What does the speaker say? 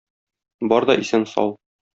Бар да исән-сау.